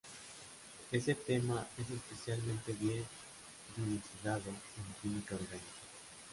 Este tema es especialmente bien dilucidado en química orgánica.